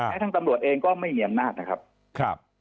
ทั้งตำรวจเองก็ไม่มีอำนาจนะครับ